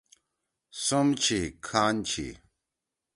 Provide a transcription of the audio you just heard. سُم چھی، کھان چھی